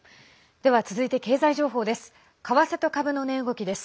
では、続いて経済情報です。